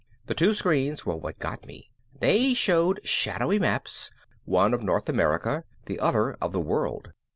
The two screens were what got me. They showed shadowy maps, one of North America, the other of the World.